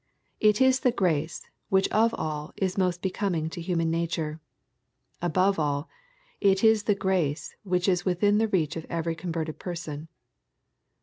'' It is the.grace, which of all is most becoming to human nature. Above all, it is the grace which is within the reach of every converted person.